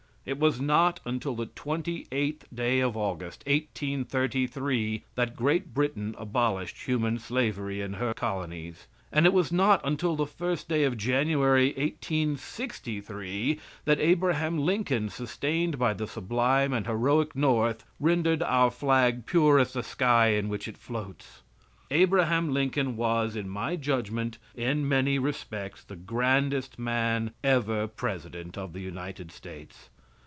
It was not until the 28th day of August, 1833, that Great Britain abolished human slavery in her colonies; and it was not until the 1st day of January, 1863, that Abraham Lincoln, sustained by the sublime and heroic North, rendered our flag pure as the sky in which it floats. Abraham Lincoln was, in my judgment, in many respects, the grandest man ever president of the United States.